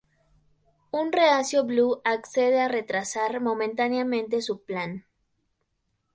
Un reacio Blue accede a retrasar momentáneamente su plan.